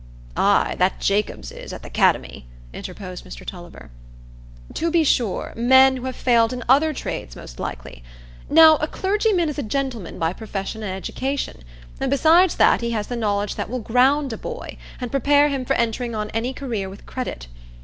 "Ay, that Jacobs is, at the 'cademy," interposed Mr Tulliver. "To be sure,—men who have failed in other trades, most likely. Now, a clergyman is a gentleman by profession and education; and besides that, he has the knowledge that will ground a boy, and prepare him for entering on any career with credit.